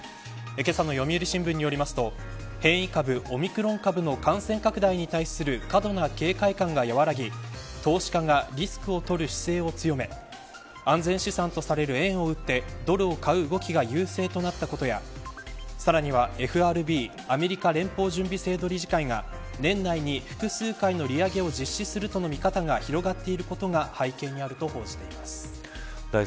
けさの読売新聞によりますと変異株オミクロン株の感染拡大に対する過度な警戒感が和らぎ、投資家がリスクを取る姿勢を強め安全資産とされる円を売ってドルを買う動きが優勢となったことやさらにはＦＲＢアメリカ連邦準備制度理事会が年内に複数回の利上げを実施するとの見方が広がっていることが背景にあると報じています。